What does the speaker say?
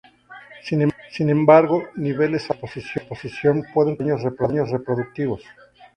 Sin embargo, niveles altos de exposición pueden causar daños reproductivos.